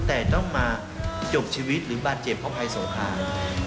แต่ต้องมาจบชีวิตหรือบาดเจ็บเพราะภัยสงคราม